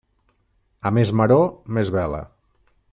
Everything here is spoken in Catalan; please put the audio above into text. A més maror, més vela.